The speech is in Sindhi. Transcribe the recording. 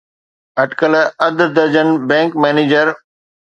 اٽڪل اڌ درجن بئنڪ مئنيجر